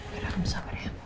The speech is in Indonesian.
biar aku sabar ya pak